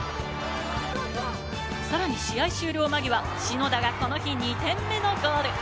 さらに試合終了間際、篠田がこの日、２点目のゴール。